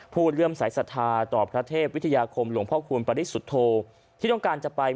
ผู้เรื่องสายสถาต่อพระเทพวิทยาคมหลวงพ่อคุณปริสุทธโทที่ต้องการจะไป